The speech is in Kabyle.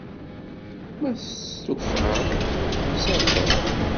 Ma testufaḍ, ad tt-talleḍ.